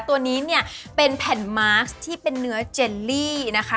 ตัวนี้เนี่ยเป็นแผ่นมาร์คที่เป็นเนื้อเจลลี่นะคะ